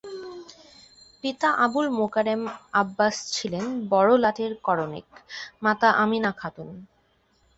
পিতা আবুল মোকারেম আববাস ছিলেন বড়লাটের করণিক, মাতা আমিনা খাতুন।